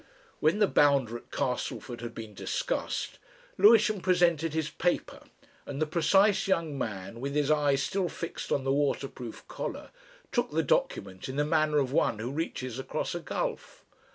When the bounder at Castleford had been discussed Lewisham presented his paper, and the precise young man with his eye still fixed on the waterproof collar took the document in the manner of one who reaches across a gulf.